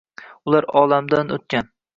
Ular olamdan oʻtgan